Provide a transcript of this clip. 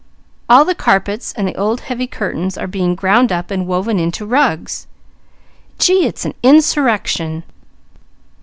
All the carpets and the old heavy curtains are being ground up and woven into rugs. Gee, it's an insurrection!